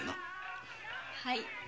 はい。